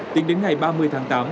tính đến ngày ba mươi tháng tám